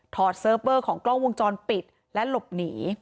เซิร์ฟเวอร์ของกล้องวงจรปิดและหลบหนี